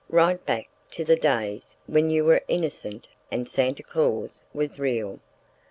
—right back to the days when you were innocent and Santa Claus was real.